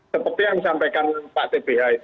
seperti yang disampaikan pak tbh